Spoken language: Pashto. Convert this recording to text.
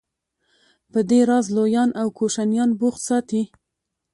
په دې راز لویان او کوشنیان بوخت ساتي.